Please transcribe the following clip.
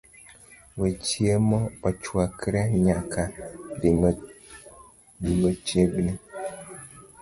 we chiemo ochwakre nyaka ring'o chiegi